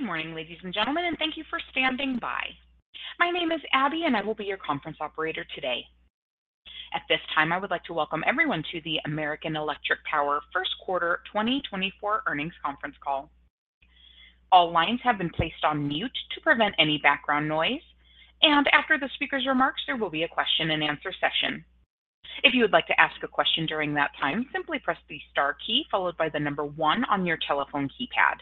Good morning, ladies and gentlemen, and thank you for standing by. My name is Abby, and I will be your conference operator today. At this time, I would like to welcome everyone to the American Electric Power First Quarter 2024 Earnings Conference Call. All lines have been placed on mute to prevent any background noise, and after the speaker's remarks, there will be a question-and-answer session. If you would like to ask a question during that time, simply press the star key followed by the number one on your telephone keypad.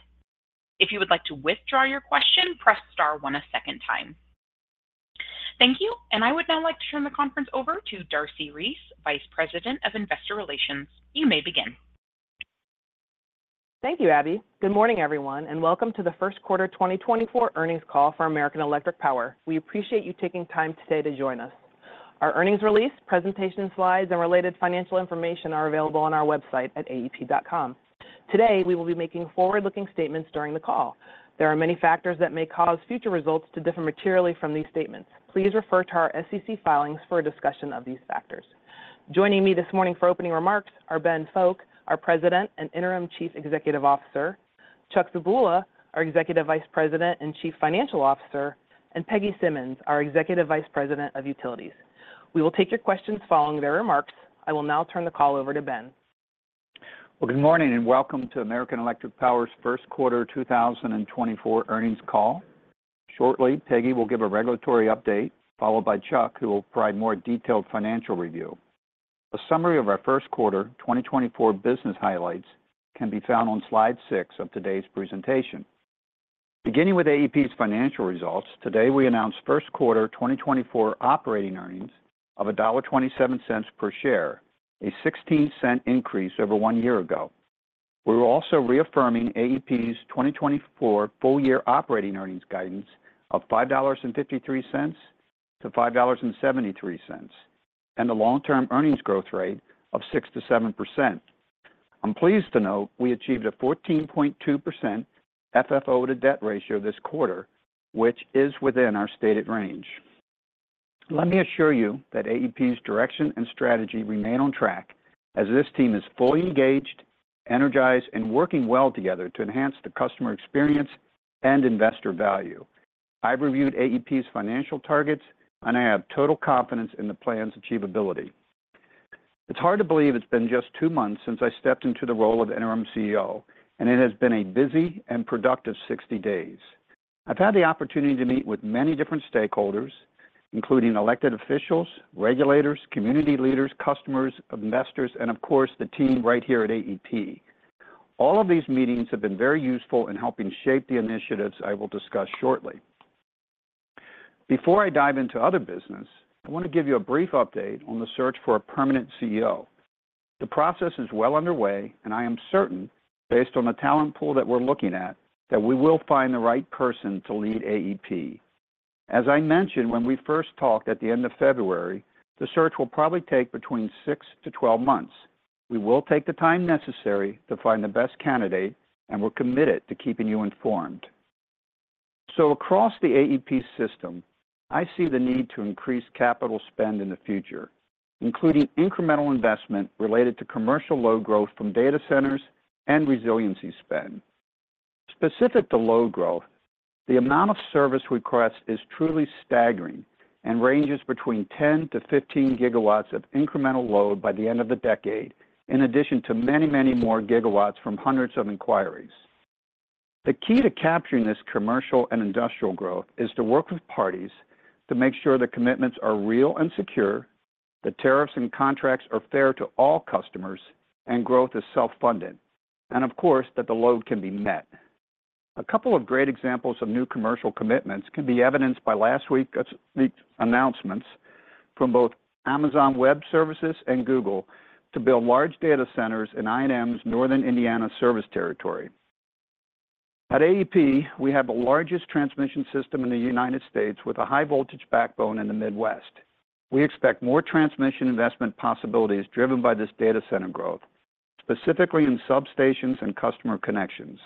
If you would like to withdraw your question, press star one a second time. Thank you, and I would now like to turn the conference over to Darcy Reese, Vice President of Investor Relations. You may begin. Thank you, Abby. Good morning, everyone, and welcome to the first quarter 2024 earnings call for American Electric Power. We appreciate you taking time today to join us. Our earnings release, presentation slides and related financial information are available on our website at aep.com. Today, we will be making forward-looking statements during the call. There are many factors that may cause future results to differ materially from these statements. Please refer to our SEC filings for a discussion of these factors. Joining me this morning for opening remarks are Ben Fowke, our President and Interim Chief Executive Officer, Chuck Zebula, our Executive Vice President and Chief Financial Officer, and Peggy Simmons, our Executive Vice President of Utilities. We will take your questions following their remarks. I will now turn the call over to Ben. Well, good morning and welcome to American Electric Power's first quarter 2024 earnings call. Shortly, Peggy will give a regulatory update, followed by Chuck, who will provide more detailed financial review. A summary of our first quarter 2024 business highlights can be found on Slide 6 of today's presentation. Beginning with AEP's financial results, today, we announced first quarter 2024 operating earnings of $1.27 per share, a $0.16 increase over one year ago. We're also reaffirming AEP's 2024 full-year operating earnings guidance of $5.53-$5.73, and a long-term earnings growth rate of 6%-7%. I'm pleased to note we achieved a 14.2% FFO-to-debt ratio this quarter, which is within our stated range. Let me assure you that AEP's direction and strategy remain on track as this team is fully engaged, energized, and working well together to enhance the customer experience and investor value. I've reviewed AEP's financial targets, and I have total confidence in the plan's achievability. It's hard to believe it's been just two months since I stepped into the role of interim CEO, and it has been a busy and productive 60 days. I've had the opportunity to meet with many different stakeholders, including elected officials, regulators, community leaders, customers, investors, and of course, the team right here at AEP. All of these meetings have been very useful in helping shape the initiatives I will discuss shortly. Before I dive into other business, I want to give you a brief update on the search for a permanent CEO. The process is well underway, and I am certain, based on the talent pool that we're looking at, that we will find the right person to lead AEP. As I mentioned when we first talked at the end of February, the search will probably take between 6-12 months. We will take the time necessary to find the best candidate, and we're committed to keeping you informed. So across the AEP system, I see the need to increase capital spend in the future, including incremental investment related to commercial load growth from data centers and resiliency spend. Specific to load growth, the amount of service requests is truly staggering and ranges between 10-15 GW of incremental load by the end of the decade, in addition to many, many more gigawatts from hundreds of inquiries. The key to capturing this commercial and industrial growth is to work with parties to make sure the commitments are real and secure, the tariffs and contracts are fair to all customers, and growth is self-funded, and of course, that the load can be met. A couple of great examples of new commercial commitments can be evidenced by last week's announcements from both Amazon Web Services and Google to build large data centers in I&M's Northern Indiana service territory. At AEP, we have the largest transmission system in the United States with a high voltage backbone in the Midwest. We expect more transmission investment possibilities driven by this data center growth, specifically in substations and customer connections.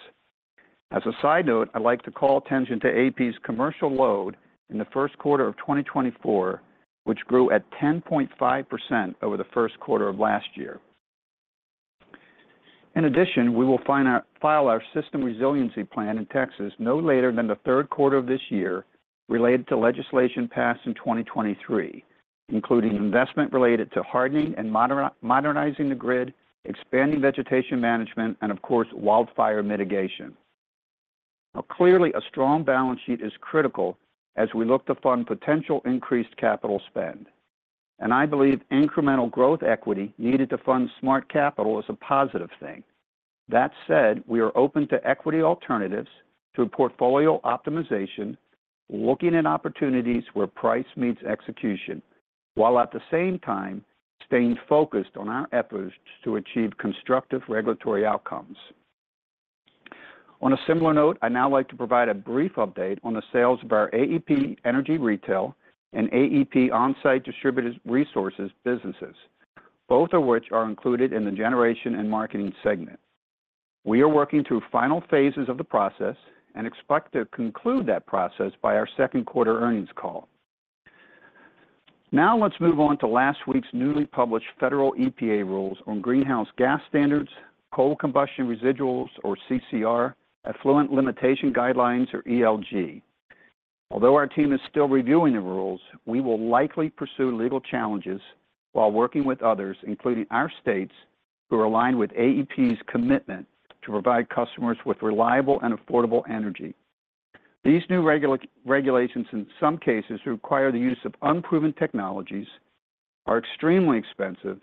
As a side note, I'd like to call attention to AEP's commercial load in the first quarter of 2024, which grew at 10.5% over the first quarter of last year. In addition, we will file our system resiliency plan in Texas, no later than the third quarter of this year, related to legislation passed in 2023, including investment related to hardening and modernizing the grid, expanding vegetation management, and of course, wildfire mitigation. Now, clearly, a strong balance sheet is critical as we look to fund potential increased capital spend, and I believe incremental growth equity needed to fund smart capital is a positive thing. That said, we are open to equity alternatives through portfolio optimization, looking at opportunities where price meets execution, while at the same time staying focused on our efforts to achieve constructive regulatory outcomes. On a similar note, I'd now like to provide a brief update on the sales of our AEP Energy retail and AEP OnSite distributed resources businesses, both of which are included in the Generation and Marketing segment. We are working through final phases of the process and expect to conclude that process by our second quarter earnings call. Now let's move on to last week's newly published federal EPA rules on greenhouse gas standards, coal combustion residuals or CCR, effluent limitation guidelines or ELG. Although our team is still reviewing the rules, we will likely pursue legal challenges while working with others, including our states, who are aligned with AEP's commitment to provide customers with reliable and affordable energy. These new regulations, in some cases, require the use of unproven technologies, are extremely expensive,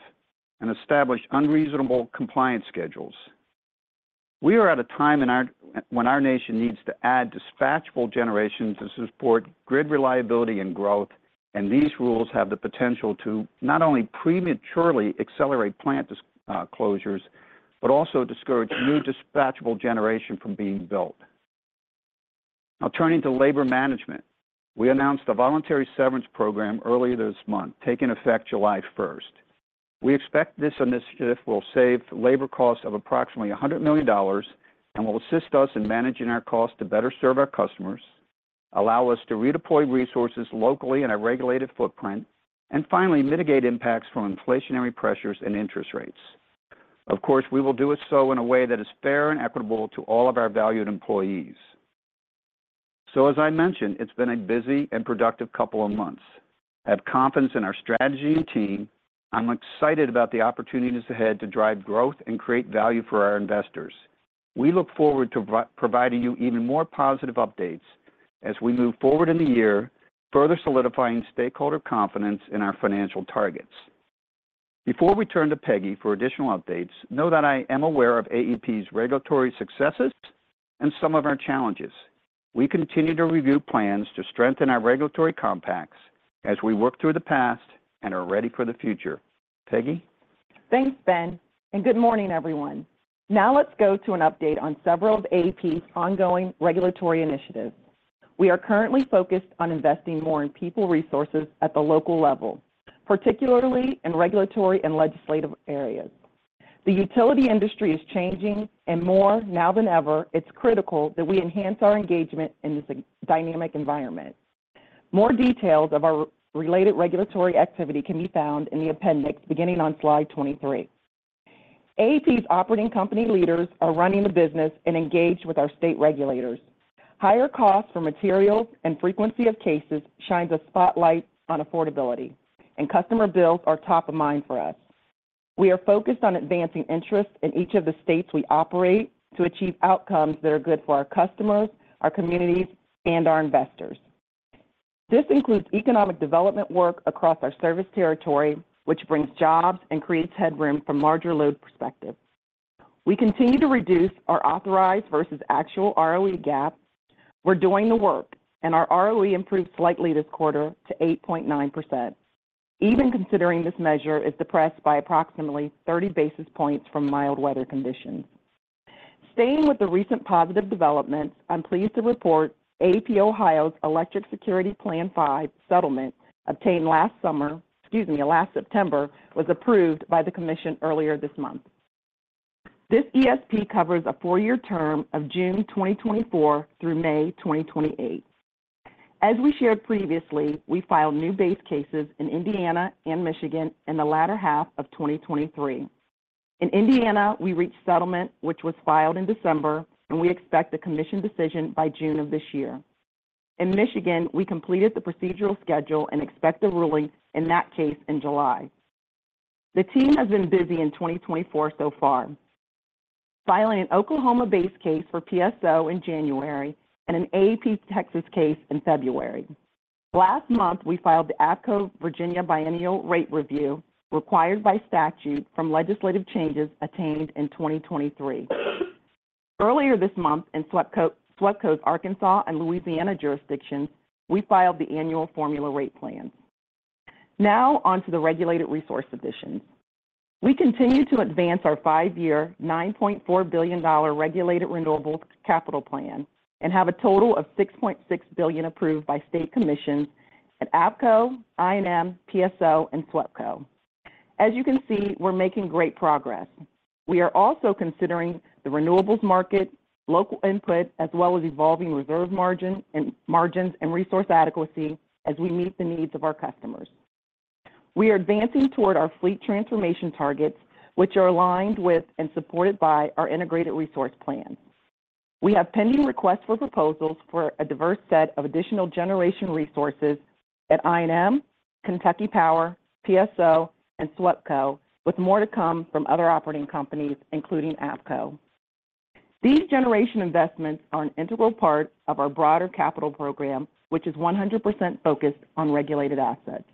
and establish unreasonable compliance schedules. We are at a time in our when our nation needs to add dispatchable generations to support grid reliability and growth, and these rules have the potential to not only prematurely accelerate plant closures, but also discourage new dispatchable generation from being built. Now, turning to labor management, we announced a voluntary severance program earlier this month, taking effect July first. We expect this initiative will save labor costs of approximately $100 million and will assist us in managing our costs to better serve our customers, allow us to redeploy resources locally in a regulated footprint, and finally, mitigate impacts from inflationary pressures and interest rates. Of course, we will do it so in a way that is fair and equitable to all of our valued employees. As I mentioned, it's been a busy and productive couple of months. Have confidence in our strategy and team. I'm excited about the opportunities ahead to drive growth and create value for our investors. We look forward to providing you even more positive updates as we move forward in the year, further solidifying stakeholder confidence in our financial targets. Before we turn to Peggy for additional updates, know that I am aware of AEP's regulatory successes and some of our challenges. We continue to review plans to strengthen our regulatory compacts as we work through the past and are ready for the future. Peggy? Thanks, Ben, and good morning, everyone. Now, let's go to an update on several of AEP's ongoing regulatory initiatives. We are currently focused on investing more in people resources at the local level, particularly in regulatory and legislative areas. The utility industry is changing, and more now than ever, it's critical that we enhance our engagement in this dynamic environment. More details of our related regulatory activity can be found in the appendix, beginning on Slide 23. AEP's operating company leaders are running the business and engaged with our state regulators. Higher costs for materials and frequency of cases shines a spotlight on affordability, and customer bills are top of mind for us. We are focused on advancing interests in each of the states we operate to achieve outcomes that are good for our customers, our communities, and our investors. This includes economic development work across our service territory, which brings jobs and creates headroom from larger load perspective. We continue to reduce our authorized versus actual ROE gap. We're doing the work, and our ROE improved slightly this quarter to 8.9%. Even considering this measure is depressed by approximately 30 basis points from mild weather conditions. Staying with the recent positive developments, I'm pleased to report AEP Ohio's Electric Security Plan Five settlement, obtained last summer, excuse me, last September, was approved by the commission earlier this month. This ESP covers a four-year term of June 2024 through May 2028. As we shared previously, we filed new base cases in Indiana and Michigan in the latter half of 2023. In Indiana, we reached settlement, which was filed in December, and we expect the commission decision by June of this year. In Michigan, we completed the procedural schedule and expect a ruling in that case in July. The team has been busy in 2024 so far, filing an Oklahoma base case for PSO in January and an AEP Texas case in February. Last month, we filed the APCO Virginia Biennial Rate Review, required by statute from legislative changes attained in 2023. Earlier this month, in SWEPCO's Arkansas and Louisiana jurisdictions, we filed the annual Formula Rate Plan. Now onto the regulated resource additions. We continue to advance our five-year, $9.4 billion regulated renewables capital plan and have a total of $6.6 billion approved by state commissions at APCO, I&M, PSO, and SWEPCO. As you can see, we're making great progress. We are also considering the renewables market, local input, as well as evolving reserve margin and margins and resource adequacy as we meet the needs of our customers. We are advancing toward our fleet transformation targets, which are aligned with and supported by our Integrated Resource Plan. We have pending requests for proposals for a diverse set of additional generation resources at I&M, Kentucky Power, PSO, and SWEPCO, with more to come from other operating companies, including APCO. These generation investments are an integral part of our broader capital program, which is 100% focused on regulated assets.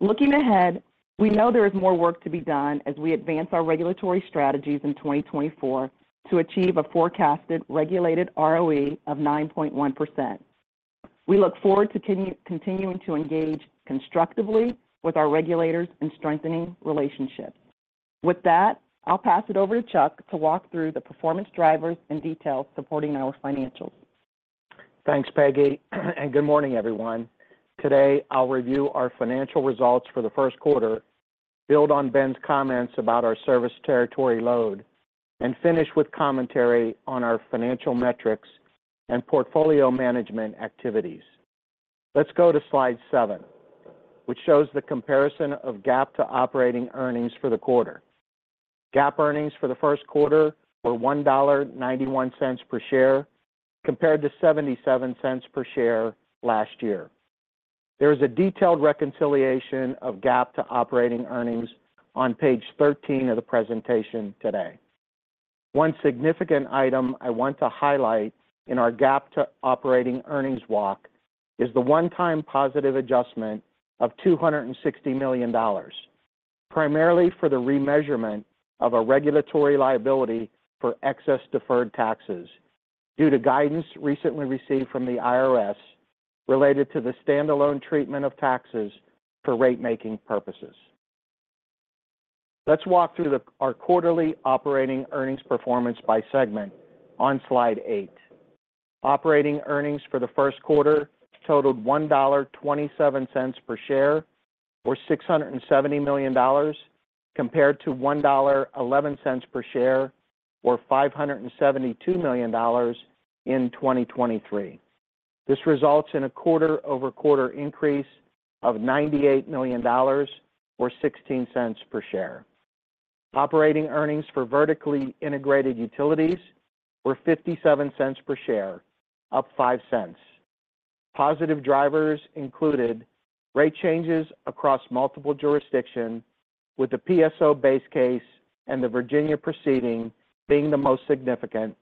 Looking ahead, we know there is more work to be done as we advance our regulatory strategies in 2024 to achieve a forecasted regulated ROE of 9.1%. We look forward to continuing to engage constructively with our regulators in strengthening relationships. With that, I'll pass it over to Chuck to walk through the performance drivers and details supporting our financials. Thanks, Peggy, and good morning, everyone. Today, I'll review our financial results for the first quarter build on Ben's comments about our service territory load, and finish with commentary on our financial metrics and portfolio management activities. Let's go to Slide 7, which shows the comparison of GAAP to operating earnings for the quarter. GAAP earnings for the first quarter were $1.91 per share, compared to $0.77 per share last year. There is a detailed reconciliation of GAAP to operating earnings on page 13 of the presentation today. One significant item I want to highlight in our GAAP to operating earnings walk is the one-time positive adjustment of $260 million, primarily for the remeasurement of a regulatory liability for excess deferred taxes due to guidance recently received from the IRS related to the standalone treatment of taxes for ratemaking purposes. Let's walk through our quarterly operating earnings performance by segment on Slide 8. Operating earnings for the first quarter totaled $1.27 per share, or $670 million, compared to $1.11 per share, or $572 million in 2023. This results in a quarter-over-quarter increase of $98 million or $0.16 per share. Operating earnings for Vertically Integrated Utilities were $0.57 per share, up $0.05. Positive drivers included rate changes across multiple jurisdictions, with the PSO base case and the Virginia proceeding being the most significant,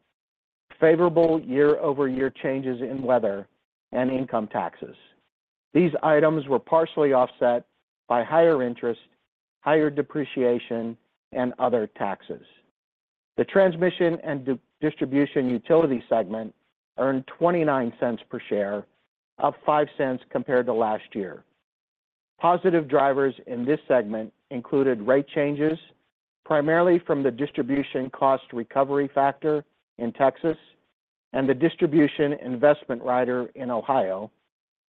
favorable year-over-year changes in weather and income taxes. These items were partially offset by higher interest, higher depreciation, and other taxes. The Transmission and Distribution utility segment earned $0.29 per share, up $0.05 compared to last year. Positive drivers in this segment included rate changes, primarily from the Distribution Cost Recovery Factor in Texas and the Distribution Investment Rider in Ohio,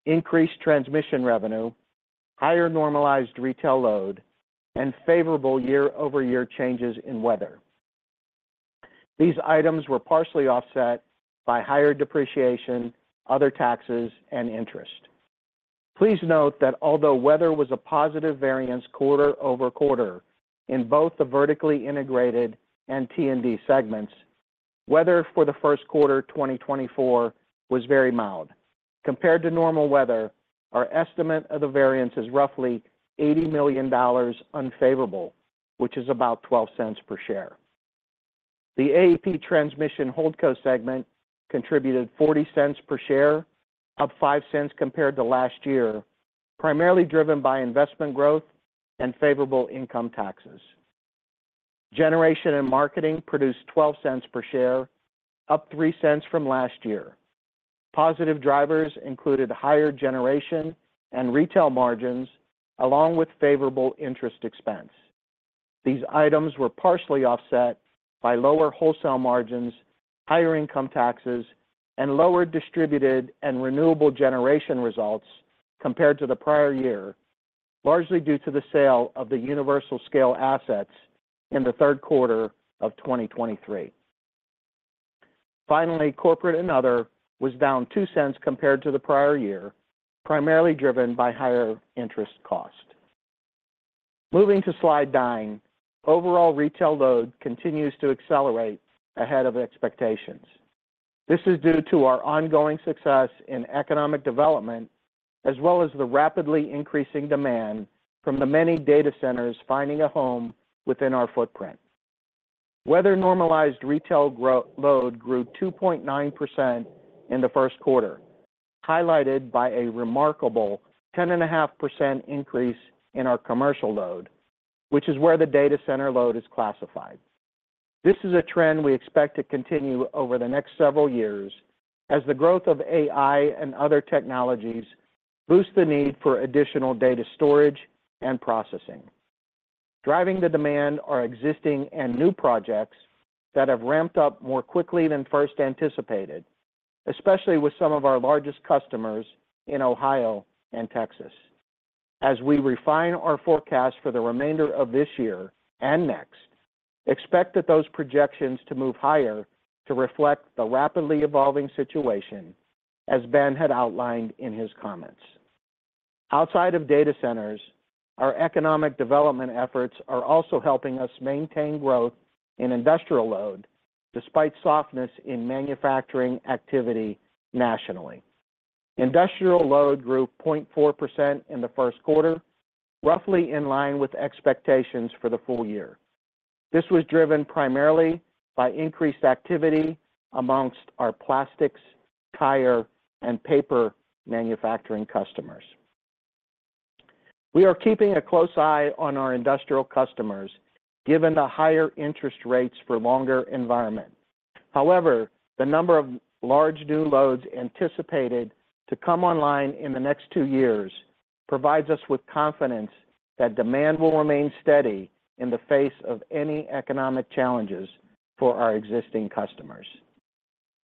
increased transmission revenue, higher normalized retail load, and favorable year-over-year changes in weather. These items were partially offset by higher depreciation, other taxes, and interest. Please note that although weather was a positive variance quarter-over-quarter in both the vertically integrated and T&D segments, weather for the first quarter 2024 was very mild. Compared to normal weather, our estimate of the variance is roughly $80 million unfavorable, which is about $0.12 per share. The AEP Transmission Holdco segment contributed $0.40 per share, up $0.05 compared to last year, primarily driven by investment growth and favorable income taxes. Generation and Marketing produced $0.12 per share, up $0.03 from last year. Positive drivers included higher generation and retail margins, along with favorable interest expense. These items were partially offset by lower wholesale margins, higher income taxes, and lower distributed and renewable generation results compared to the prior year, largely due to the sale of the universal scale assets in the third quarter of 2023. Finally, Corporate and Other was down $0.02 compared to the prior year, primarily driven by higher interest cost. Moving to Slide 9, overall retail load continues to accelerate ahead of expectations. This is due to our ongoing success in economic development, as well as the rapidly increasing demand from the many data centers finding a home within our footprint. Weather-normalized retail load grew 2.9% in the first quarter, highlighted by a remarkable 10.5% increase in our commercial load, which is where the data center load is classified. This is a trend we expect to continue over the next several years as the growth of AI and other technologies boost the need for additional data storage and processing. Driving the demand are existing and new projects that have ramped up more quickly than first anticipated, especially with some of our largest customers in Ohio and Texas. As we refine our forecast for the remainder of this year and next, expect that those projections to move higher to reflect the rapidly evolving situation, as Ben had outlined in his comments. Outside of data centers, our economic development efforts are also helping us maintain growth in industrial load, despite softness in manufacturing activity nationally. Industrial load grew 0.4% in the first quarter, roughly in line with expectations for the full year. This was driven primarily by increased activity among our plastics, tire, and paper manufacturing customers. We are keeping a close eye on our industrial customers, given the higher interest rates for longer environment. However, the number of large new loads anticipated to come online in the next two years provides us with confidence that demand will remain steady in the face of any economic challenges for our existing customers.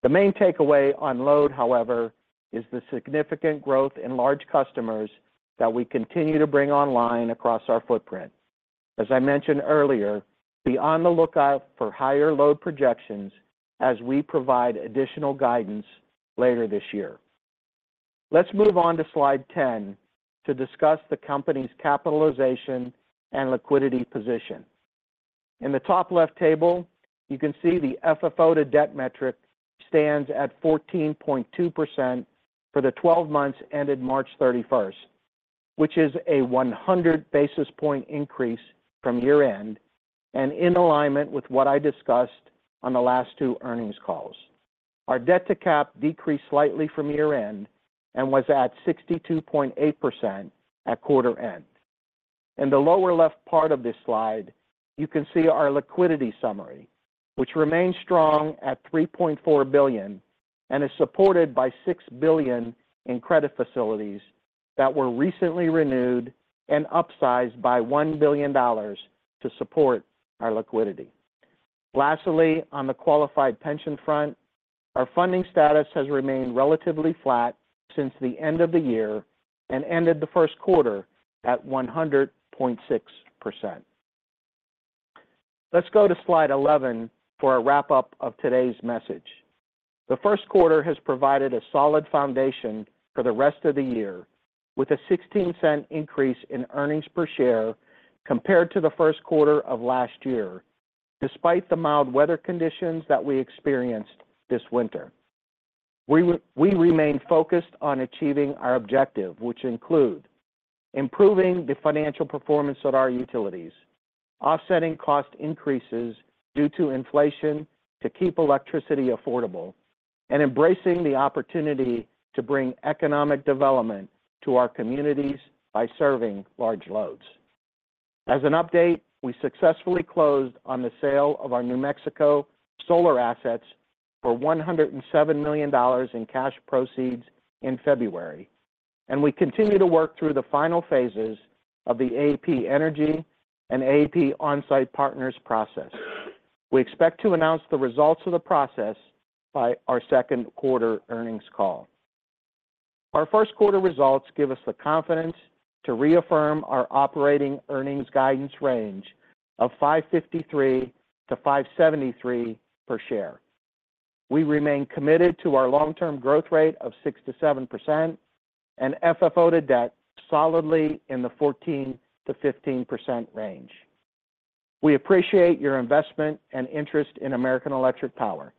The main takeaway on load, however, is the significant growth in large customers that we continue to bring online across our footprint. As I mentioned earlier, be on the lookout for higher load projections as we provide additional guidance later this year. Let's move on to Slide 10 to discuss the company's capitalization and liquidity position. In the top left table, you can see the FFO to debt metric stands at 14.2% for the twelve months ended March 31, which is a 100 basis point increase from year-end and in alignment with what I discussed on the last two earnings calls. Our debt to cap decreased slightly from year-end and was at 62.8% at quarter end. In the lower left part of this slide, you can see our liquidity summary, which remains strong at $3.4 billion and is supported by $6 billion in credit facilities that were recently renewed and upsized by $1 billion to support our liquidity. Lastly, on the qualified pension front, our funding status has remained relatively flat since the end of the year and ended the first quarter at 100.6%. Let's go to Slide 11 for a wrap-up of today's message. The first quarter has provided a solid foundation for the rest of the year, with a $0.16 increase in earnings per share compared to the first quarter of last year, despite the mild weather conditions that we experienced this winter. We remain focused on achieving our objective, which include: improving the financial performance of our utilities, offsetting cost increases due to inflation to keep electricity affordable, and embracing the opportunity to bring economic development to our communities by serving large loads. As an update, we successfully closed on the sale of our New Mexico solar assets for $107 million in cash proceeds in February, and we continue to work through the final phases of the AEP Energy and AEP OnSite Partners process. We expect to announce the results of the process by our second quarter earnings call. Our first quarter results give us the confidence to reaffirm our operating earnings guidance range of $5.53-$5.73 per share. We remain committed to our long-term growth rate of 6%-7% and FFO to debt solidly in the 14%-15% range. We appreciate your investment and interest in American Electric Power.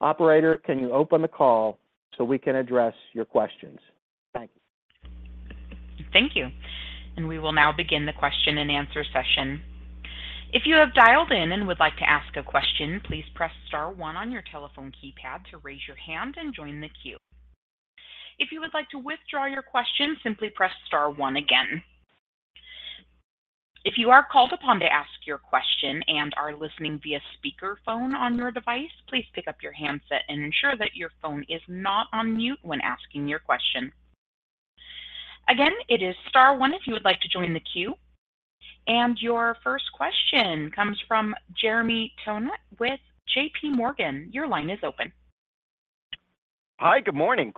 Operator, can you open the call so we can address your questions? Thank you. Thank you. We will now begin the question-and-answer session. If you have dialed in and would like to ask a question, please press star one on your telephone keypad to raise your hand and join the queue. If you would like to withdraw your question, simply press star one again. If you are called upon to ask your question and are listening via speakerphone on your device, please pick up your handset and ensure that your phone is not on mute when asking your question. Again, it is star one if you would like to join the queue. Your first question comes from Jeremy Tonet with JPMorgan. Your line is open. Hi, good morning.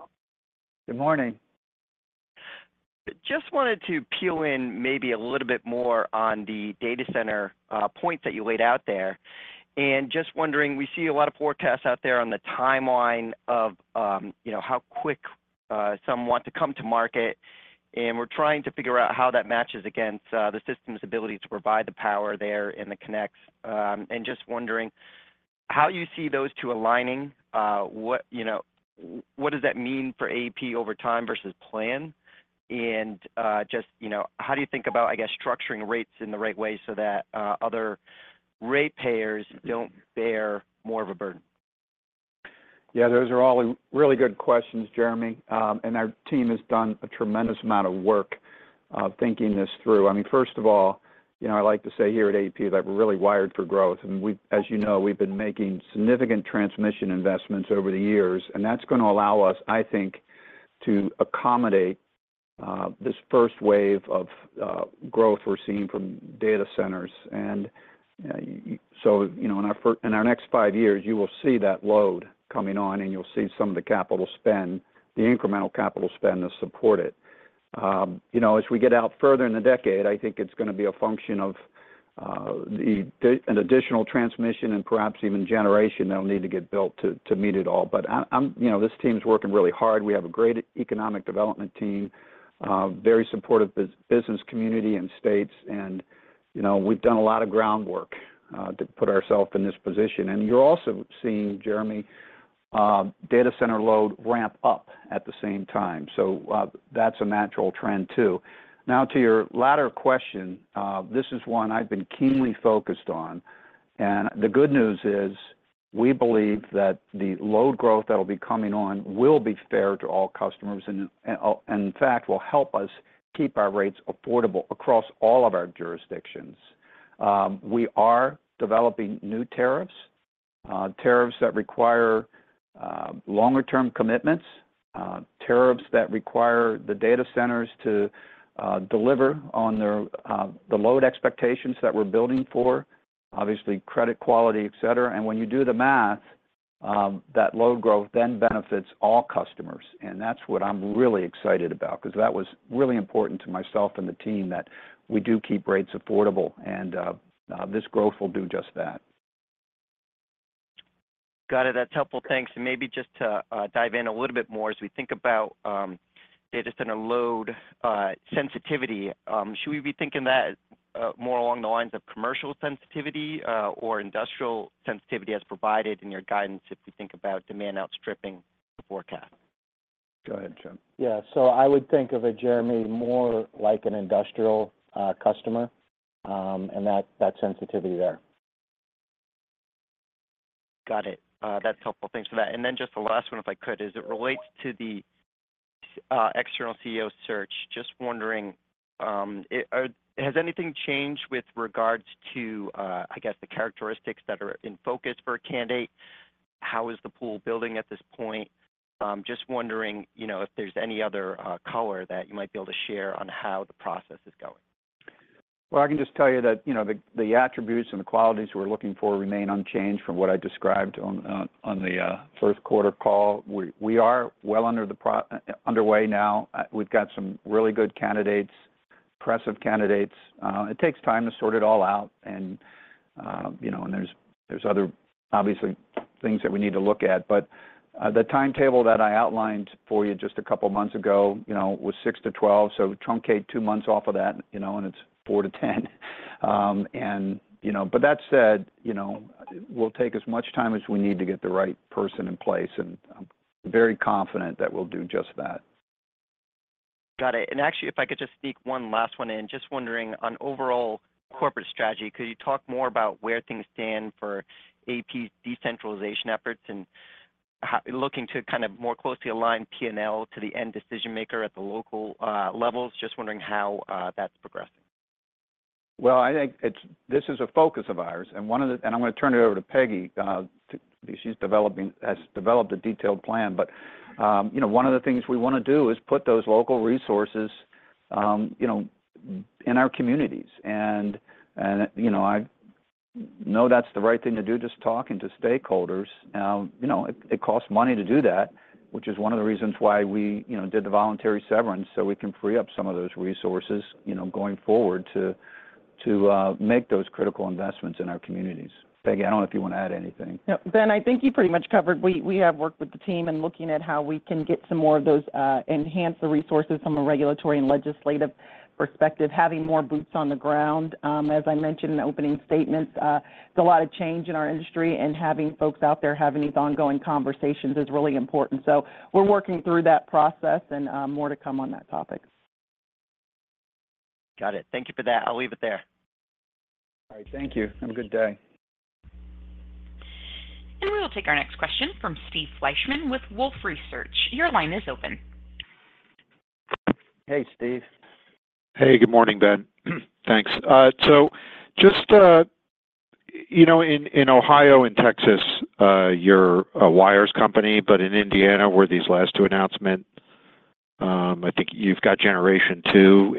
Good morning. Just wanted to pile in maybe a little bit more on the data center point that you laid out there. Just wondering, we see a lot of forecasts out there on the timeline of, you know, how quick some want to come to market, and we're trying to figure out how that matches against the system's ability to provide the power there and the connects. Just wondering how you see those two aligning? What, you know, what does that mean for AEP over time versus plan, and just, you know, how do you think about, I guess, structuring rates in the right way so that other ratepayers don't bear more of a burden? Yeah, those are all really good questions, Jeremy. And our team has done a tremendous amount of work thinking this through. I mean, first of all, you know, I like to say here at AEP that we're really wired for growth, and we've, as you know, we've been making significant transmission investments over the years, and that's going to allow us, I think, to accommodate this first wave of growth we're seeing from data centers. So, you know, in our next five years, you will see that load coming on, and you'll see some of the capital spend, the incremental capital spend, to support it. You know, as we get out further in the decade, I think it's going to be a function of the additional transmission and perhaps even generation that will need to get built to meet it all. But I'm. You know, this team is working really hard. We have a great economic development team, very supportive business, community, and states, and, you know, we've done a lot of groundwork to put ourselves in this position. And you're also seeing, Jeremy, data center load ramp up at the same time. So, that's a natural trend, too. Now, to your latter question, this is one I've been keenly focused on, and the good news is, we believe that the load growth that will be coming on will be fair to all customers and, and in fact will help us keep our rates affordable across all of our jurisdictions. We are developing new tariffs, tariffs that require, longer-term commitments. Tariffs that require the data centers to deliver on their load expectations that we're building for, obviously, credit quality, et cetera. And when you do the math, that load growth then benefits all customers, and that's what I'm really excited about, 'cause that was really important to myself and the team, that we do keep rates affordable, and this growth will do just that. Got it. That's helpful. Thanks. And maybe just to dive in a little bit more, as we think about data center load sensitivity, should we be thinking that more along the lines of commercial sensitivity or industrial sensitivity as provided in your guidance if we think about demand outstripping the forecast? Go ahead, Chuck. Yeah. So I would think of it, Jeremy, more like an industrial customer, and that sensitivity there. Got it. That's helpful. Thanks for that. And then just the last one, if I could, as it relates to the external CEO search, just wondering, has anything changed with regards to, I guess, the characteristics that are in focus for a candidate? How is the pool building at this point? Just wondering, you know, if there's any other color that you might be able to share on how the process is going. Well, I can just tell you that, you know, the attributes and the qualities we're looking for remain unchanged from what I described on the first quarter call. We are well underway now. We've got some really good candidates, impressive candidates. It takes time to sort it all out and, you know, and there's other, obviously, things that we need to look at. But the timetable that I outlined for you just a couple of months ago, you know, was 6-12, so truncate two months off of that, you know, and it's 4-10. And, you know. But that said, you know, we'll take as much time as we need to get the right person in place, and I'm very confident that we'll do just that. Got it. And actually, if I could just sneak one last one in. Just wondering, on overall corporate strategy, could you talk more about where things stand for AP decentralization efforts and how looking to kind of more closely align P&L to the end decision maker at the local, levels? Just wondering how that's progressing. Well, I think this is a focus of ours. And I'm gonna turn it over to Peggy, she has developed a detailed plan. But, you know, one of the things we wanna do is put those local resources, you know, in our communities. And, you know, I know that's the right thing to do, just talking to stakeholders. Now, you know, it costs money to do that, which is one of the reasons why we, you know, did the voluntary severance, so we can free up some of those resources, you know, going forward, to make those critical investments in our communities. Peggy, I don't know if you want to add anything. No, Ben, I think you pretty much covered. We have worked with the team and looking at how we can get some more of those, enhance the resources from a regulatory and legislative perspective, having more boots on the ground. As I mentioned in the opening statement, there's a lot of change in our industry, and having folks out there having these ongoing conversations is really important. So we're working through that process, and, more to come on that topic. Got it. Thank you for that. I'll leave it there. All right. Thank you. Have a good day. We will take our next question from Steve Fleishman with Wolfe Research. Your line is open. Hey, Steve. Hey, good morning, Ben. Thanks. So just, you know, in Ohio and Texas, you're a wires company, but in Indiana, where these last two announcements, I think you've got generation too.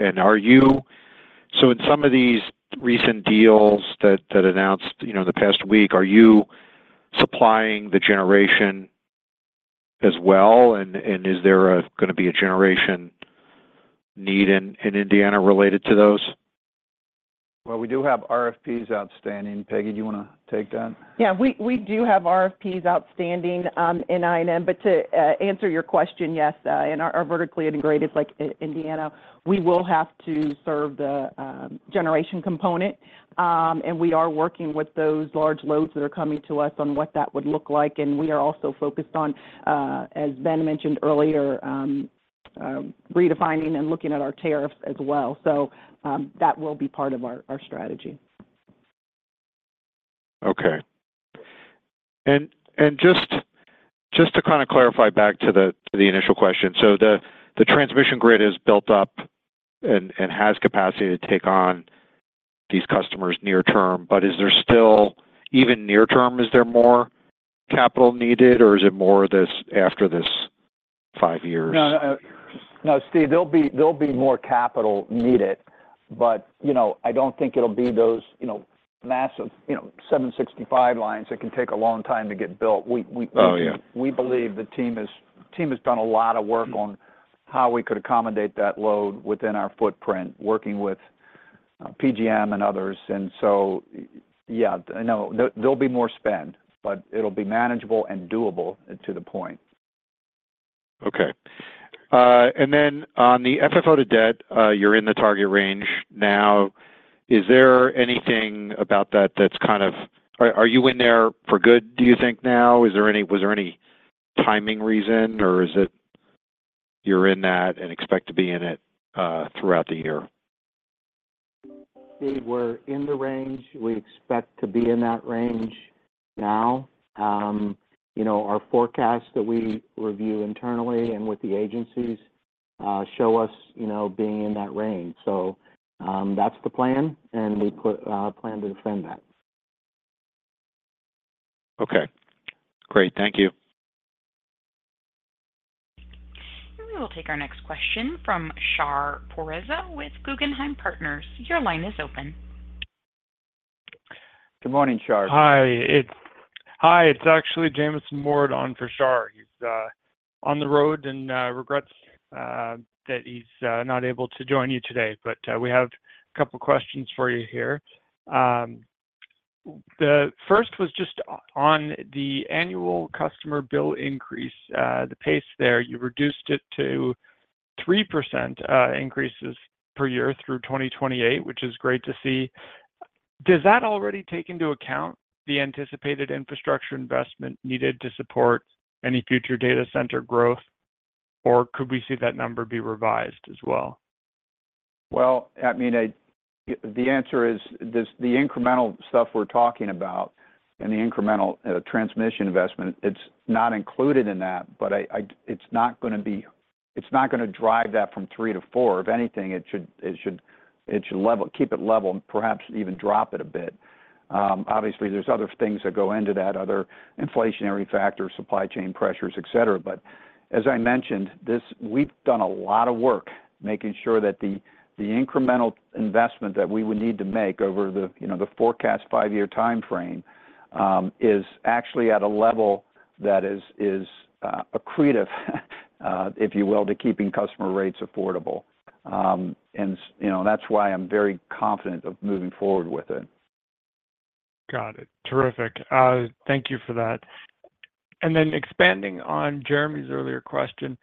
So in some of these recent deals that announced, you know, in the past week, are you supplying the generation as well? And is there gonna be a generation need in Indiana related to those? Well, we do have RFPs outstanding. Peggy, do you wanna take that? Yeah, we do have RFPs outstanding in I&M. But to answer your question, yes, in our vertically integrated, like Indiana, we will have to serve the generation component. And we are working with those large loads that are coming to us on what that would look like, and we are also focused on, as Ben mentioned earlier, redefining and looking at our tariffs as well. So, that will be part of our strategy. Okay. And just to kind of clarify back to the initial question, so the transmission grid is built up and has capacity to take on these customers near term, but is there still, even near term, is there more capital needed, or is it more this, after this five years? No, no, Steve, there'll be more capital needed, but, you know, I don't think it'll be those, you know, massive 765 lines that can take a long time to get built. We, Oh, yeah We believe the team has, the team has done a lot of work on how we could accommodate that load within our footprint, working with, PJM and others. And so, yeah, no, there, there'll be more spend, but it'll be manageable and doable to the point. Okay. And then on the FFO-to-debt, you're in the target range now. Is there anything about that that's kind of, are you in there for good, do you think now? Is there any, was there any timing reason, or is it you're in that and expect to be in it throughout the year? Steve, we're in the range. We expect to be in that range now. You know, our forecast that we review internally and with the agencies show us, you know, being in that range. So, that's the plan, and we put plan to defend that. Okay, great. Thank you. We will take our next question from Shar Pourreza with Guggenheim Partners. Your line is open. Good morning, Shar. Hi, it's actually Jamieson Ward on for Shar. He's on the road and regrets that he's not able to join you today. But we have a couple questions for you here. The first was just on the annual customer bill increase, the pace there, you reduced it to 3% increases per year through 2028, which is great to see. Does that already take into account the anticipated infrastructure investment needed to support any future data center growth, or could we see that number be revised as well? Well, I mean, the answer is this, the incremental stuff we're talking about and the incremental transmission investment, it's not included in that, but it's not gonna drive that from three to four. If anything, it should level, keep it level, perhaps even drop it a bit. Obviously, there's other things that go into that, other inflationary factors, supply chain pressures, et cetera. But as I mentioned, we've done a lot of work making sure that the incremental investment that we would need to make over the, you know, the forecast five-year timeframe, is actually at a level that is accretive, if you will, to keeping customer rates affordable. And, you know, that's why I'm very confident of moving forward with it. Got it. Terrific. Thank you for that. And then expanding on Jeremy's earlier question,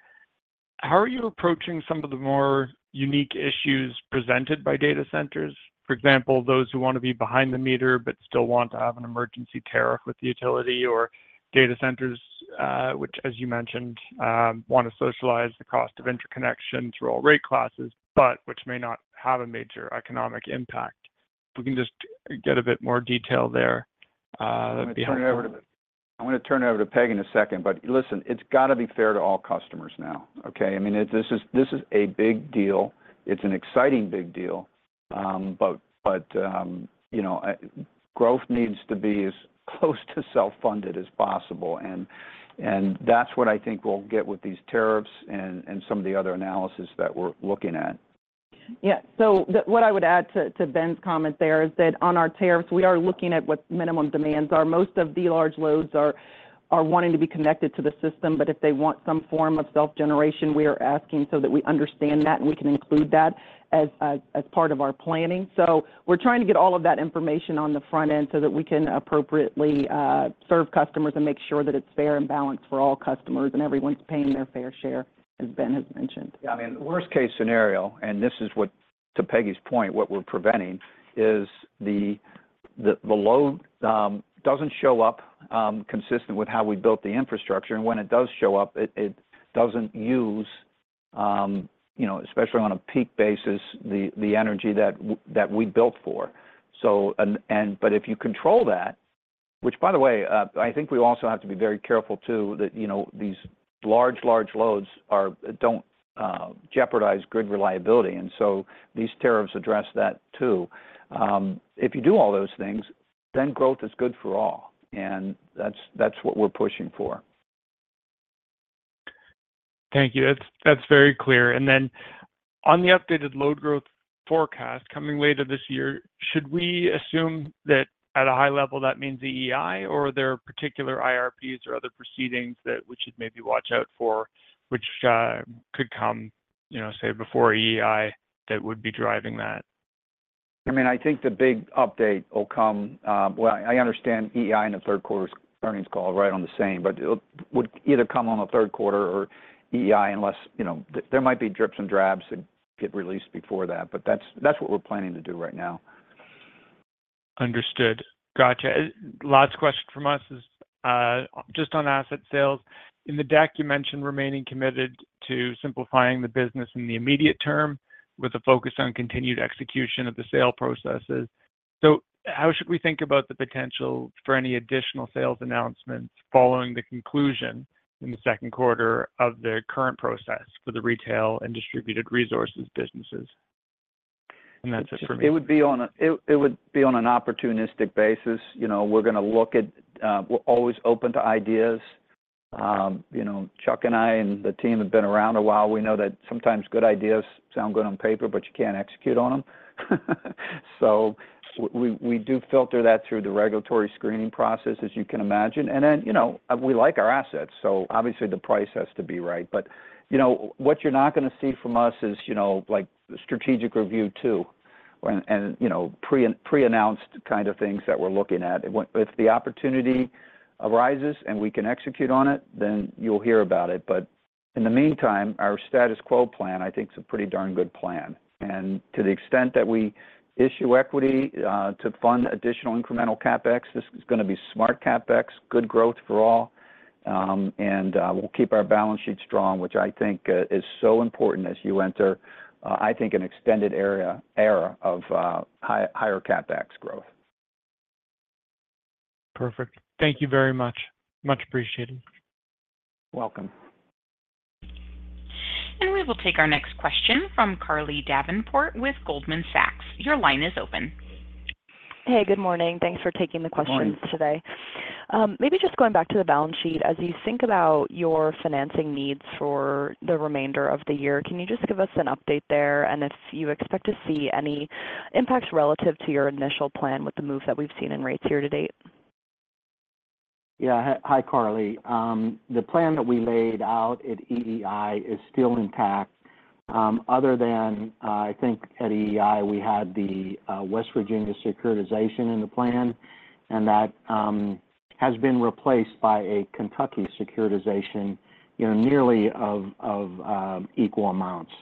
how are you approaching some of the more unique issues presented by data centers? For example, those who want to be behind the meter but still want to have an emergency tariff with the utility or data centers, which, as you mentioned, want to socialize the cost of interconnection through all rate classes, but which may not have a major economic impact. If we can just get a bit more detail there, that'd be helpful. I'm gonna turn it over to Peggy in a second, but listen, it's got to be fair to all customers now, okay? I mean, this is, this is a big deal. It's an exciting big deal. But, you know, growth needs to be as close to self-funded as possible, and that's what I think we'll get with these tariffs and some of the other analysis that we're looking at. Yeah. So what I would add to Ben's comment there is that on our tariffs, we are looking at what minimum demands are. Most of the large loads are wanting to be connected to the system, but if they want some form of self-generation, we are asking so that we understand that, and we can include that as part of our planning. So we're trying to get all of that information on the front end so that we can appropriately serve customers and make sure that it's fair and balanced for all customers, and everyone's paying their fair share, as Ben has mentioned. Yeah, I mean, worst-case scenario, and this is what, to Peggy's point, what we're preventing, is the load doesn't show up consistent with how we built the infrastructure. And when it does show up, it doesn't use, you know, especially on a peak basis, the energy that we built for. So and, and but if you control that, which, by the way, I think we also have to be very careful, too, that, you know, these large loads don't jeopardize grid reliability, and so these tariffs address that too. If you do all those things, then growth is good for all, and that's what we're pushing for. Thank you. That's, that's very clear. And then on the updated load growth forecast coming later this year, should we assume that at a high level, that means the EEI or there are particular IRPs or other proceedings that we should maybe watch out for, which could come, you know, say, before EEI, that would be driving that? I mean, I think the big update will come, well, I understand EEI in the third quarter's earnings call, right on the same, but it would either come on the third quarter or EEI, unless, you know, there might be drips and drabs that get released before that, but that's, that's what we're planning to do right now. Understood. Gotcha. Last question from us is just on asset sales. In the deck, you mentioned remaining committed to simplifying the business in the immediate term with a focus on continued execution of the sale processes. So how should we think about the potential for any additional sales announcements following the conclusion in the second quarter of the current process for the retail and distributed resources businesses? And that's it for me. It would be on it, it would be on an opportunistic basis. You know, we're gonna look at, we're always open to ideas. You know, Chuck and I and the team have been around a while. We know that sometimes good ideas sound good on paper, but you can't execute on them. So we, we do filter that through the regulatory screening process, as you can imagine. And then, you know, we like our assets, so obviously the price has to be right. But, you know, what you're not gonna see from us is, you know, like, strategic review two and, and, you know, pre-announced kind of things that we're looking at. If the opportunity arises and we can execute on it, then you'll hear about it. But in the meantime, our status quo plan, I think, is a pretty darn good plan. To the extent that we issue equity to fund additional incremental CapEx, this is gonna be smart CapEx, good growth for all. We'll keep our balance sheet strong, which I think is so important as you enter an extended era of higher CapEx growth. Perfect. Thank you very much. Much appreciated. Welcome. We will take our next question from Carly Davenport with Goldman Sachs. Your line is open. Hey, good morning. Thanks for taking the questions today. Good morning. Maybe just going back to the balance sheet, as you think about your financing needs for the remainder of the year, can you just give us an update there, and if you expect to see any impacts relative to your initial plan with the move that we've seen in rates year to date? Yeah. Hi, Carly. The plan that we laid out at EEI is still intact, other than, I think at EEI, we had the West Virginia securitization in the plan, and that has been replaced by a Kentucky securitization, you know, nearly of equal amounts.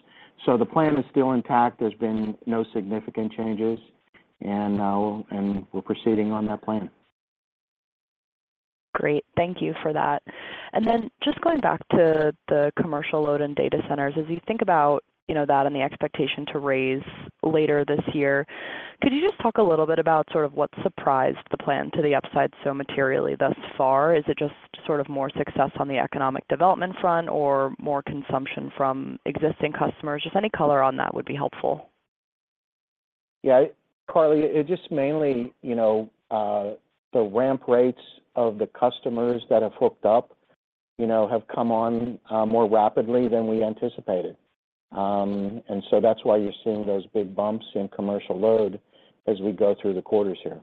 So the plan is still intact. There's been no significant changes, and we're proceeding on that plan. Great. Thank you for that. And then just going back to the commercial load and data centers, as you think about, you know, that and the expectation to raise later this year, could you just talk a little bit about sort of what surprised the plan to the upside so materially thus far? Is it just sort of more success on the economic development front or more consumption from existing customers? Just any color on that would be helpful. Yeah, Carly, it just mainly, you know, the ramp rates of the customers that have hooked up, you know, have come on more rapidly than we anticipated. And so that's why you're seeing those big bumps in commercial load as we go through the quarters here.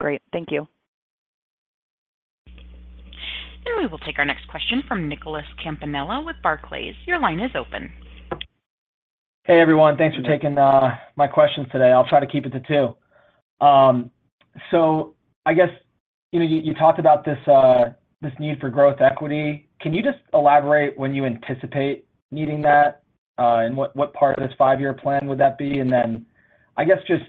Great. Thank you. We will take our next question from Nicholas Campanella with Barclays. Your line is open. Hey, everyone. Thanks for taking my questions today. I'll try to keep it to two. So I guess, you know, you talked about this need for growth equity. Can you just elaborate when you anticipate needing that, and what part of this five-year plan would that be? And then, I guess just,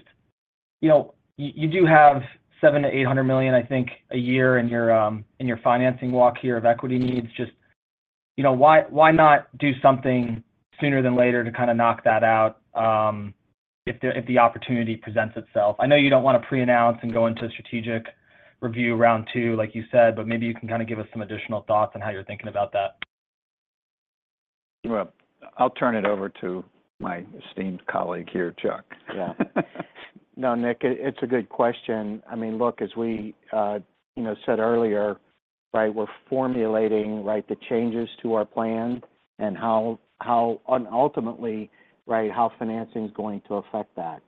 you know, you do have $700-$800 million, I think, a year in your financing walk here of equity needs. Just, you know, why not do something sooner than later to kind of knock that out, if the opportunity presents itself? I know you don't want to pre-announce and go into strategic review round two, like you said, but maybe you can kind of give us some additional thoughts on how you're thinking about that. Well, I'll turn it over to my esteemed colleague here, Chuck. Yeah. No, Nick, it's a good question. I mean, look, as we, you know, said earlier, right, we're formulating, right, the changes to our plan and how and ultimately, right, how financing is going to affect that.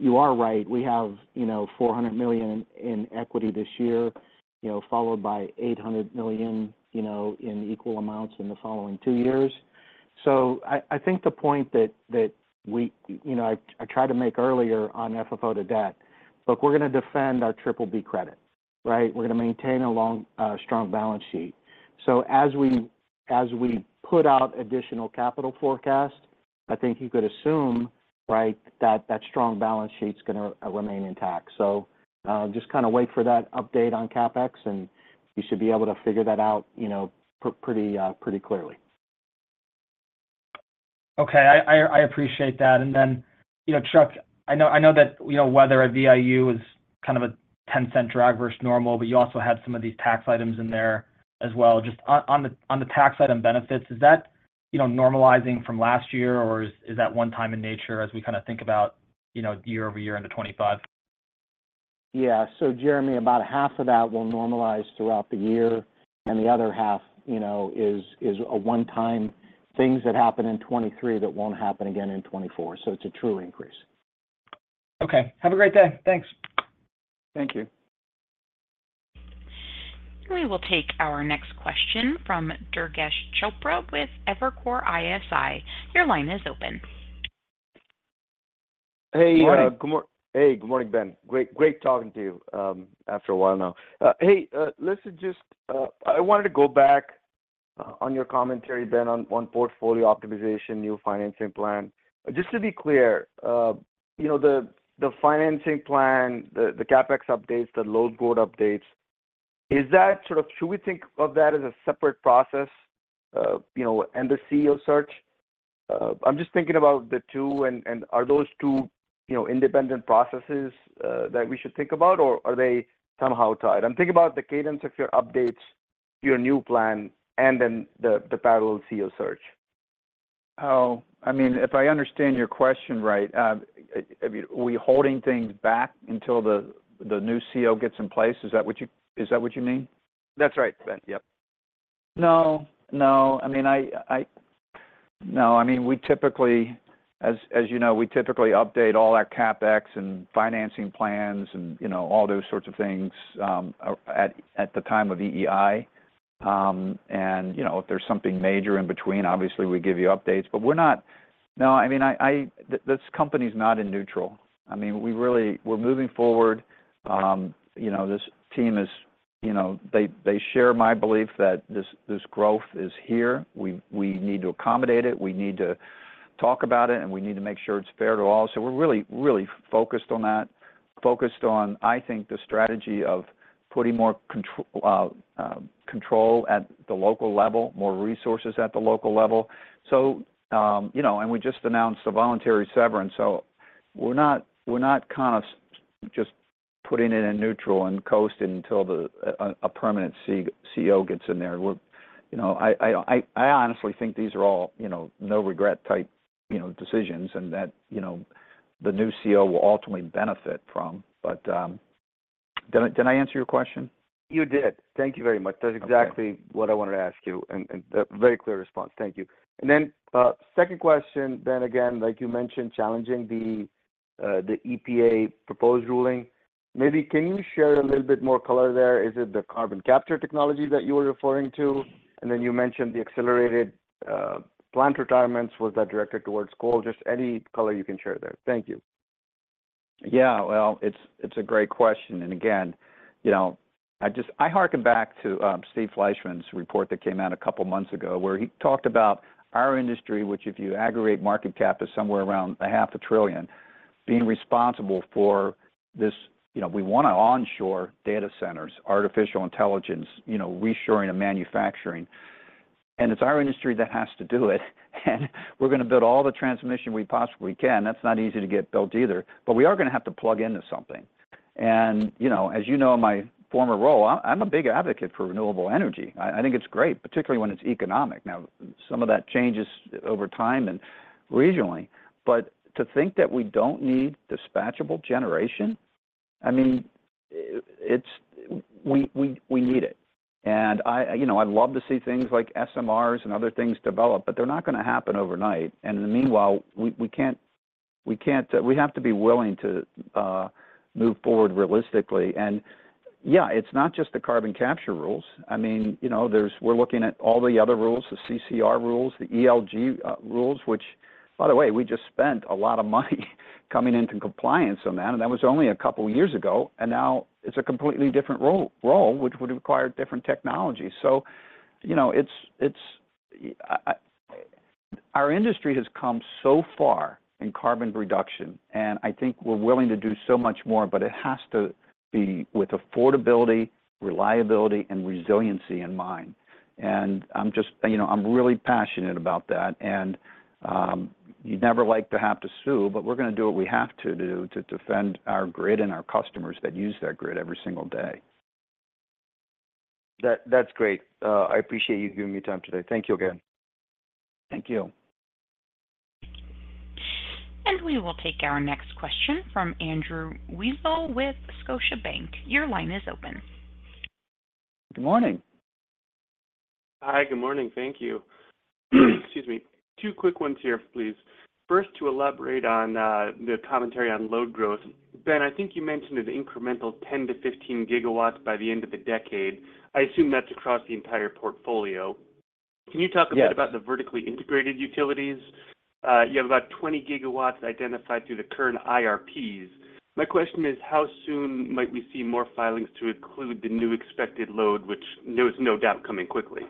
You are right. We have, you know, $400 million in equity this year, you know, followed by $800 million, you know, in equal amounts in the following two years. So I, I think the point that, that we, you know, I, I tried to make earlier on FFO to debt. Look, we're going to defend our Triple B credit, right? We're going to maintain a long, strong balance sheet. So as we, as we put out additional capital forecast, I think you could assume, right, that that strong balance sheet is going to remain intact. So, just kind of wait for that update on CapEx, and you should be able to figure that out, you know, pretty clearly. Okay. I appreciate that. And then, you know, Chuck, I know that, you know, weather at VIU is kind of a $0.10 drive versus normal, but you also had some of these tax items in there as well. Just on the tax item benefits, is that, you know, normalizing from last year, or is that one-time in nature as we kind of think about, you know, year-over-year into 2025? Yeah. So Jeremy, about half of that will normalize throughout the year, and the other half, you know, is a one-time things that happened in 2023 that won't happen again in 2024. So it's a true increase. Okay. Have a great day. Thanks. Thank you. We will take our next question from Durgesh Chopra with Evercore ISI. Your line is open. Hey. Good morning. Hey, good morning, Ben. Great, great talking to you after a while now. Hey, listen. Just, I wanted to go back on your commentary, Ben, on portfolio optimization, new financing plan. Just to be clear, you know, the financing plan, the CapEx updates, the load growth updates. Should we think of that as a separate process, you know, and the CEO search? I'm just thinking about the two, and are those two, you know, independent processes that we should think about, or are they somehow tied? I'm thinking about the cadence of your updates, your new plan, and then the parallel CEO search. Oh, I mean, if I understand your question right, I mean, are we holding things back until the new CEO gets in place? Is that what you mean? That's right, Ben. Yep. No. I mean, we typically, as you know, we typically update all our CapEx and financing plans and, you know, all those sorts of things, at the time of EEI. You know, if there's something major in between, obviously we give you updates, but we're not. No. I mean, this company is not in neutral. I mean, we really, we're moving forward. You know, this team is, you know, they share my belief that this growth is here. We need to accommodate it, we need to talk about it, and we need to make sure it's fair to all. So we're really, really focused on that. Focused on, I think, the strategy of putting more control at the local level, more resources at the local level. So, you know, and we just announced a voluntary severance, so we're not, we're not kind of just putting it in neutral and coasting until a permanent CEO gets in there. We're, you know, I honestly think these are all, you know, no regret type, you know, decisions and that, you know, the new CEO will ultimately benefit from. But, did I answer your question? You did. Thank you very much. Okay. That's exactly what I wanted to ask you, and a very clear response. Thank you. And then, second question, then again, like you mentioned, challenging the EPA proposed ruling. Maybe can you share a little bit more color there? Is it the carbon capture technology that you were referring to? And then you mentioned the accelerated plant retirements. Was that directed towards coal? Just any color you can share there. Thank you. Yeah, well, it's a great question. And again, you know, I just I harken back to Steve Fleishman's report that came out a couple of months ago, where he talked about our industry, which, if you aggregate market cap, is somewhere around $0.5 trillion, being responsible for this. You know, we want to onshore data centers, artificial intelligence, you know, reshoring of manufacturing, and it's our industry that has to do it, and we're going to build all the transmission we possibly can. That's not easy to get built either, but we are going to have to plug into something. And, you know, as you know, in my former role, I, I'm a big advocate for renewable energy. I, I think it's great, particularly when it's economic. Now, some of that changes over time and regionally, but to think that we don't need dispatchable generation, I mean, it's we need it. And I, you know, I'd love to see things like SMRs and other things develop, but they're not going to happen overnight. And in the meanwhile, we can't. We have to be willing to move forward realistically. And yeah, it's not just the carbon capture rules. I mean, you know, there's we're looking at all the other rules, the CCR rules, the ELG rules, which, by the way, we just spent a lot of money coming into compliance on that, and that was only a couple of years ago, and now it's a completely different rule, which would require different technologies. So, you know, it's our industry has come so far in carbon reduction, and I think we're willing to do so much more, but it has to be with affordability, reliability, and resiliency in mind. And I'm just, you know, I'm really passionate about that, and you'd never like to have to sue, but we're going to do what we have to do to defend our grid and our customers that use that grid every single day. That, that's great. I appreciate you giving me time today. Thank you again. Thank you. We will take our next question from Andrew Weisel with Scotiabank. Your line is open. Good morning. Hi, good morning. Thank you. Excuse me. Two quick ones here, please. First, to elaborate on the commentary on load growth. Ben, I think you mentioned an incremental 10-15 GW by the end of the decade. I assume that's across the entire portfolio. Yes. Can you talk a bit about the Vertically Integrated Utilities? You have about 20 GW identified through the current IRPs. My question is, how soon might we see more filings to include the new expected load, which there is no doubt coming quickly? Yeah.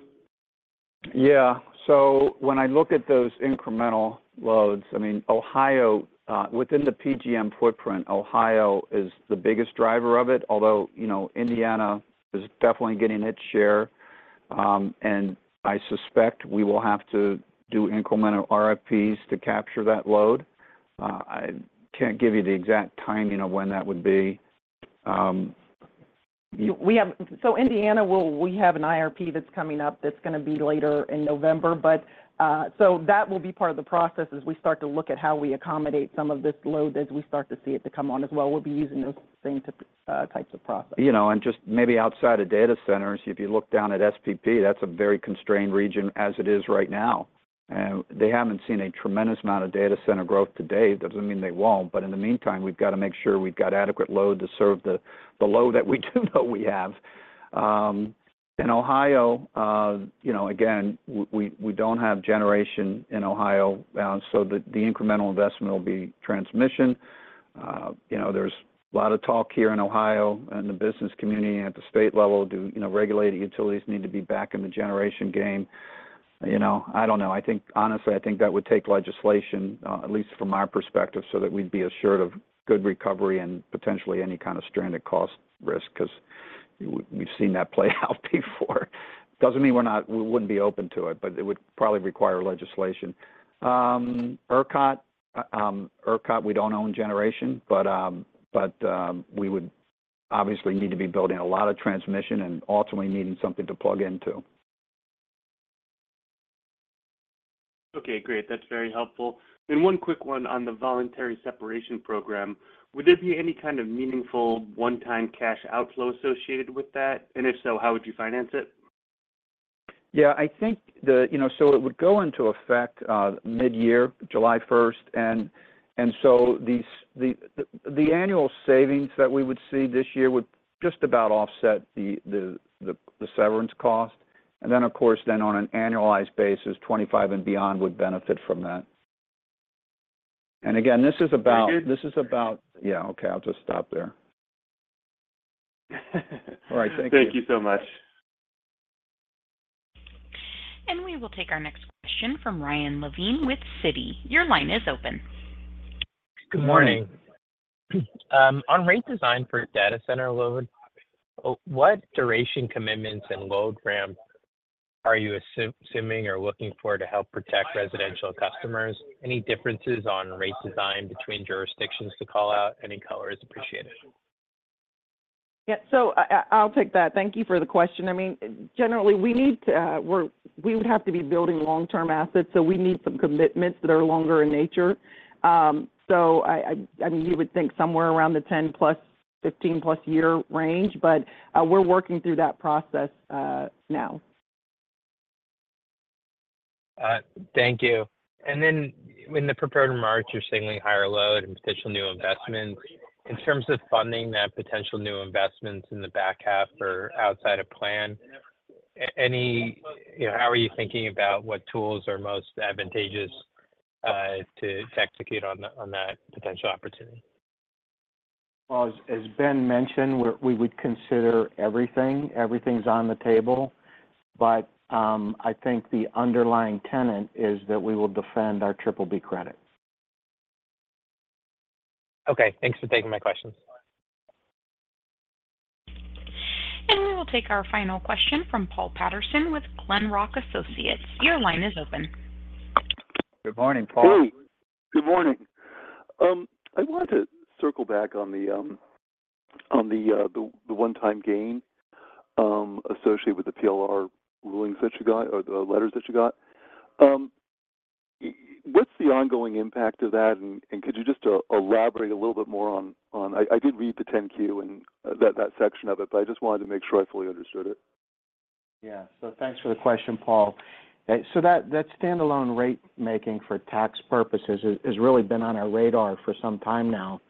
So when I look at those incremental loads, I mean, Ohio, within the PJM footprint, Ohio is the biggest driver of it. Although, you know, Indiana is definitely getting its share, and I suspect we will have to do incremental RFPs to capture that load. I can't give you the exact timing of when that would be. We have so Indiana. We'll, we have an IRP that's coming up that's going to be later in November, but so that will be part of the process as we start to look at how we accommodate some of this load as we start to see it to come on as well. We'll be using those same types of processes. You know, and just maybe outside of data centers, if you look down at SPP, that's a very constrained region as it is right now, and they haven't seen a tremendous amount of data center growth to date. That doesn't mean they won't, but in the meantime, we've got to make sure we've got adequate load to serve the load that we do know we have. In Ohio, you know, again, we don't have generation in Ohio, so the incremental investment will be transmission. You know, there's a lot of talk here in Ohio and the business community at the state level. Do you know, regulated utilities need to be back in the generation game? You know, I don't know. I think, honestly, I think that would take legislation, at least from my perspective, so that we'd be assured of good recovery and potentially any kind of stranded cost risk, 'cause we've seen that play out before. Doesn't mean we wouldn't be open to it, but it would probably require legislation. ERCOT, we don't own generation, but we would obviously need to be building a lot of transmission and ultimately needing something to plug into. Okay, great. That's very helpful. And one quick one on the voluntary separation program. Would there be any kind of meaningful one-time cash outflow associated with that? And if so, how would you finance it? Yeah, I think. You know, so it would go into effect mid-year, July first. And so the annual savings that we would see this year would just about offset the severance cost. And then, of course, then on an annualized basis, 25 and beyond would benefit from that. And again, this is about, Very good. Yeah, okay, I'll just stop there. All right. Thank you so much. We will take our next question from Ryan Levine with Citi. Your line is open. Good morning. Good morning. On rate design for data center load, what duration commitments and load ramps? Are you assuming or looking for to help protect residential customers? Any differences on rate design between jurisdictions to call out? Any color is appreciated. Yeah, so I'll take that. Thank you for the question. I mean, generally, we need to we would have to be building long-term assets, so we need some commitments that are longer in nature. So I mean, you would think somewhere around the 10+, 15+ year range, but we're working through that process now. Thank you. And then in the prepared remarks, you're seeing higher load and potential new investments. In terms of funding that potential new investments in the back half or outside of plan, you know, how are you thinking about what tools are most advantageous to execute on that potential opportunity? Well, as Ben mentioned, we would consider everything. Everything's on the table, but I think the underlying tenet is that we will defend our Triple B credit. Okay. Thanks for taking my questions. We will take our final question from Paul Patterson with Glenrock Associates. Your line is open. Good morning, Paul. Hey, good morning. I wanted to circle back on the one-time gain associated with the PLR rulings that you got or the letters that you got. What's the ongoing impact of that, and could you just elaborate a little bit more on, I did read the 10-Q and that section of it, but I just wanted to make sure I fully understood it. Yeah. So thanks for the question, Paul. So that standalone rate making for tax purposes has really been on our radar for some time now.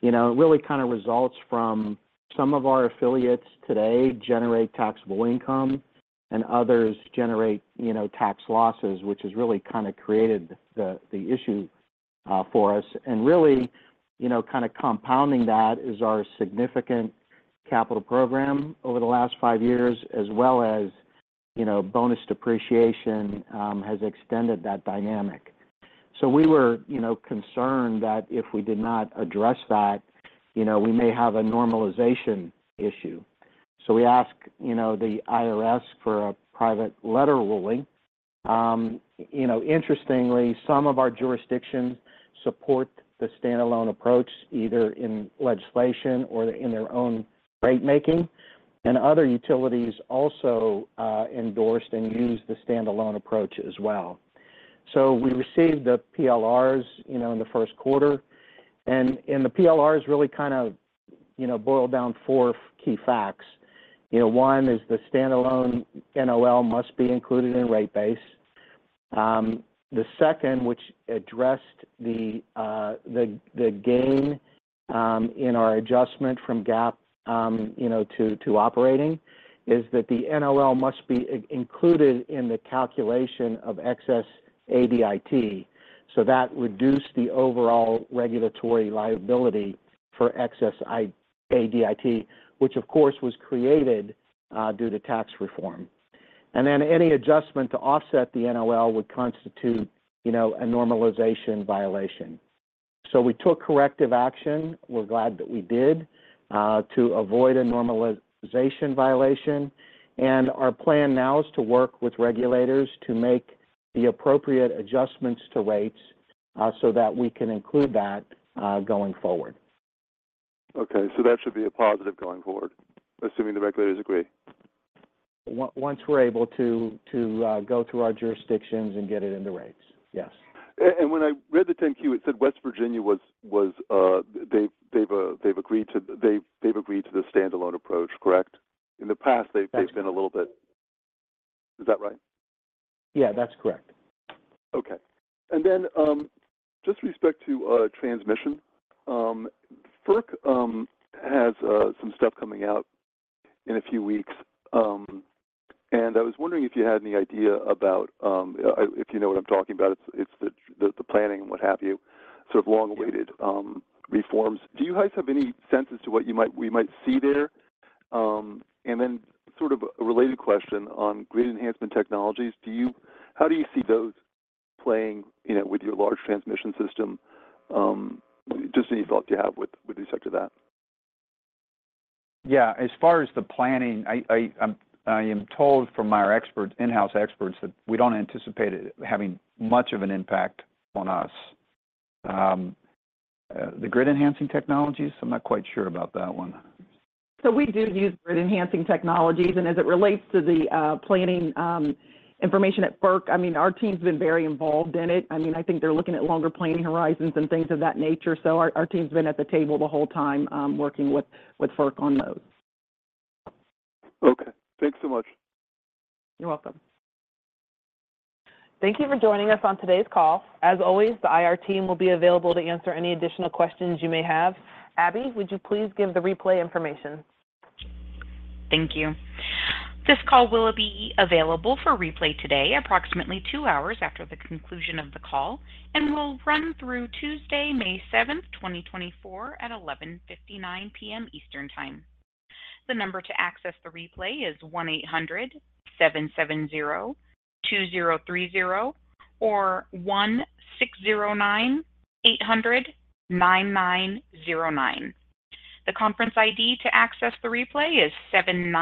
You know, it really kind of results from some of our affiliates today generate taxable income, and others generate, you know, tax losses, which has really kind of created the issue for us. And really, you know, kind of compounding that is our significant capital program over the last five years, as well as, you know, bonus depreciation has extended that dynamic. So we were, you know, concerned that if we did not address that, you know, we may have a normalization issue. So we asked, you know, the IRS for a private letter ruling. You know, interestingly, some of our jurisdictions support the standalone approach, either in legislation or in their own ratemaking, and other utilities also endorsed and used the standalone approach as well. So we received the PLRs, you know, in the first quarter, and the PLRs really kind of, you know, boiled down four key facts. You know, one is the standalone NOL must be included in rate base. The second, which addressed the gain in our adjustment from GAAP, you know, to operating, is that the NOL must be included in the calculation of excess ADIT. So that reduced the overall regulatory liability for excess ADIT, which of course, was created due to tax reform. And then any adjustment to offset the NOL would constitute, you know, a normalization violation. So we took corrective action, we're glad that we did, to avoid a normalization violation. And our plan now is to work with regulators to make the appropriate adjustments to rates, so that we can include that, going forward. Okay. So that should be a positive going forward, assuming the regulators agree? Once we're able to go through our jurisdictions and get it in the rates, yes. And when I read the 10-Q, it said West Virginia was, they've agreed to the standalone approach, correct? In the past, they've, Yes They've been a little bit. Is that right? Yeah, that's correct. Okay. And then, just with respect to transmission, FERC has some stuff coming out in a few weeks, and I was wondering if you had any idea about, if you know what I'm talking about, it's the planning and what have you, sort of long-awaited reforms. Do you guys have any sense as to what you might, we might see there? And then sort of a related question on grid enhancement technologies, do you, how do you see those playing, you know, with your large transmission system? Just any thoughts you have with respect to that? Yeah. As far as the planning, I am told from our experts, in-house experts, that we don't anticipate it having much of an impact on us. The grid enhancing technologies, I'm not quite sure about that one. So we do use grid enhancing technologies, and as it relates to the planning information at FERC, I mean, our team's been very involved in it. I mean, I think they're looking at longer planning horizons and things of that nature, so our team's been at the table the whole time, working with FERC on those. Okay. Thanks so much. You're welcome. Thank you for joining us on today's call. As always, the IR team will be available to answer any additional questions you may have. Abby, would you please give the replay information? Thank you. This call will be available for replay today, approximately two hours after the conclusion of the call, and will run through Tuesday, May seventh, 2024, at 11:59 P.M. Eastern Time. The number to access the replay is 1-800-770-2030 or 1-609-800-9909. The conference ID to access the replay is seven nine-